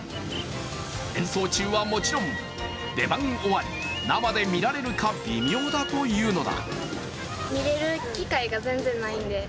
演奏中はもちろん、出番は終わり生で見られるか微妙だというのだ。